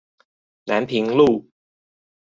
南平路